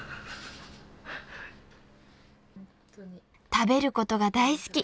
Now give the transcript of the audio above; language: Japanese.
［食べることが大好き！］